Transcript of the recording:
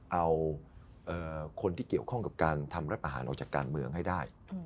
เอาคนที่เกี่ยวข้องกับการทำรัฐประหารออกจากการเมืองให้ได้